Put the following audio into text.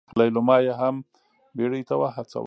ليلما يې هم بيړې ته وهڅوله.